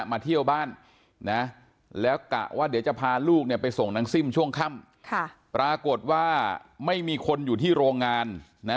มาเที่ยวบ้านนะแล้วกะว่าเดี๋ยวจะพาลูกเนี่ยไปส่งนางซิ่มช่วงค่ำปรากฏว่าไม่มีคนอยู่ที่โรงงานนะ